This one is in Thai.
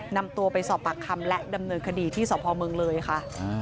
นำตัวไปสอบปากคำและดำเนินคดีที่สพเมืองเลยค่ะ